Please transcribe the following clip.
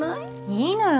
いいのよ